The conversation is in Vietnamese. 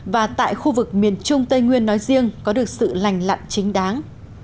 và tại khu vực miền trung tây nguyên nói riêng có được sự lành lặn chính đáng